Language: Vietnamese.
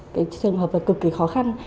cái trường hợp cực kỳ khó khăn